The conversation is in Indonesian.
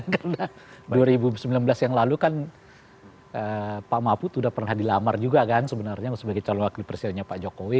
karena dua ribu sembilan belas yang lalu kan pak maput udah pernah dilamar juga kan sebenarnya sebagai calon wakil presidennya pak jokowi